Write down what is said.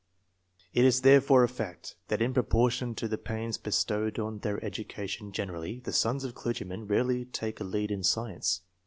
It is therefore a fact, that in proportion to the pains bestowed on their education generally, the sons of clergymen rarely take a lead in science.